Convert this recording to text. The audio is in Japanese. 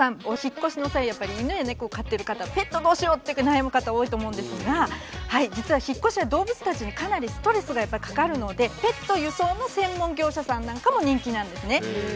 お引っ越しの際やっぱり犬や猫を飼ってる方ペットどうしよう？って悩む方多いと思うんですが実は引っ越しは動物たちにかなりストレスがやっぱりかかるのでペット輸送の専門業者さんなんかも人気なんですね。